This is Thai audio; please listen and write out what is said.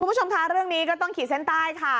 คุณผู้ชมคะเรื่องนี้ก็ต้องขีดเส้นใต้ค่ะ